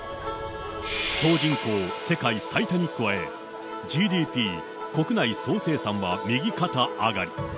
総人口世界最多に加え、ＧＤＰ・国内総生産は右肩上がり。